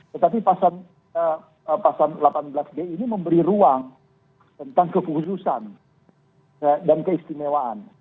tetapi pasal delapan belas d ini memberi ruang tentang kekhususan dan keistimewaan